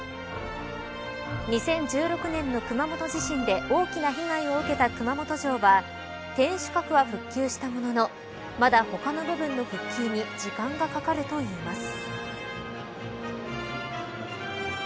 ２０１６年の熊本地震で大きな被害を受けた熊本城は天守閣は復旧したもののまだ他の部分の復旧に時間がかかるといいます。